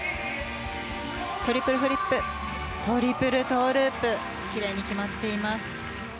トリプルフリップ、トリプルトーループ、きれいに決まっています。